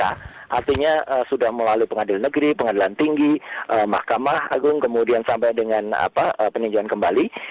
artinya sudah melalui pengadilan negeri pengadilan tinggi mahkamah agung kemudian sampai dengan peninjauan kembali